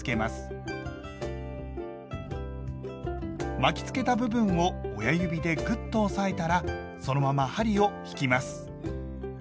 巻きつけた部分を親指でぐっと押さえたらそのまま針を引きます。